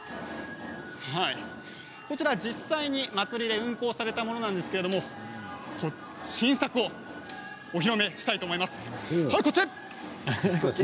こちら実際に祭りで運行されたものなんですが新作をお披露目したいと思います。